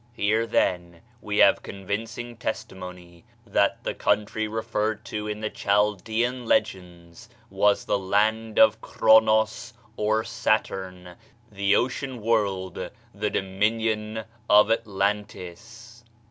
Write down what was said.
Here, then, we have convincing testimony that the country referred to in the Chaldean legends was the land of Chronos, or Saturn the ocean world, the dominion of Atlantis.